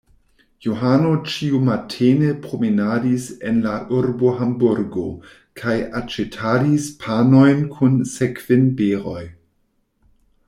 Johano ĉiumatene promenadis en la urbo Hamburgo kaj aĉetadis panojn kun sekvinberoj.